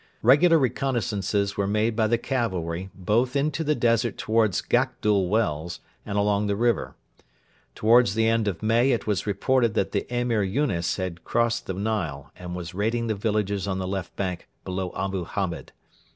Regular reconnaissances were made by the cavalry both into the desert towards Gakdul Wells and along the river. Towards the end of May it was reported that the Emir Yunes had crossed the Nile and was raiding the villages on the left bank below Abu Hamed.